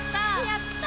やった！